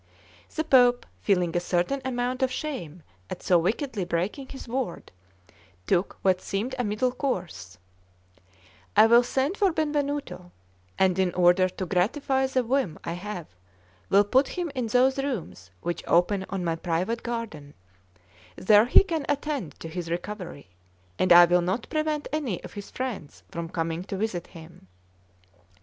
The Pope, feeling a certain amount of shame at so wickedly breaking his word, took what seemed a middle course: "I will send for Benvenuto, and in order to gratify the whim I have, will put him in those rooms which open on my private garden; there he can attend to his recovery, and I will not prevent any of his friends from coming to visit him.